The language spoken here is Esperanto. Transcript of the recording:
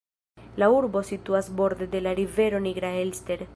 La urbo situas borde de la rivero Nigra Elster.